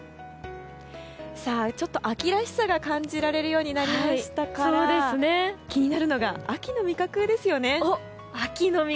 ちょっと秋らしさを感じられるようになりましたので気になるのが秋の味覚ですよね。